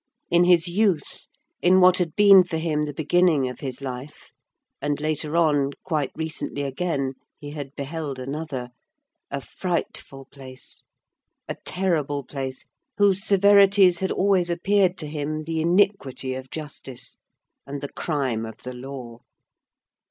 In his youth, in what had been for him the beginning of his life, and later on, quite recently again, he had beheld another,—a frightful place, a terrible place, whose severities had always appeared to him the iniquity of justice, and the crime of the law.